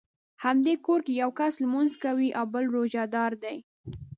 همدې کور کې یو کس لمونځ کوي او بل روژه دار دی.